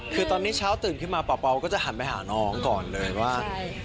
คือตอนนี้เช้าตื่นขึ้นมาเป่าก็จะหันไปหาน้องก่อนเลยว่า